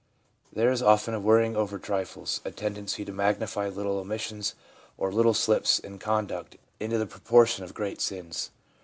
There is often a worrying over trifles, a tendency to magnify little omissions or little slips in con duct into the proportion of great sins.